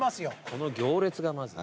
この行列がまず。